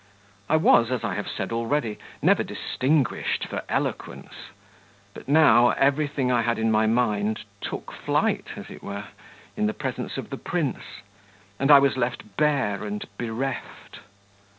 I was, as I have said already, never distinguished for eloquence; but now everything I had in my mind took flight, as it were, in the presence of the prince, and I was left bare and bereft.